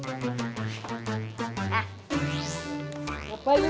eh siapa ini